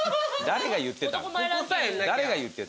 誰が言ってたの？